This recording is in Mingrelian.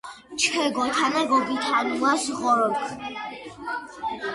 ჩე გოთანა გოგითანუას ღორონთქ.